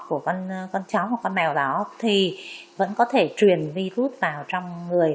của con cháu hoặc con mèo đó thì vẫn có thể truyền virus vào trong người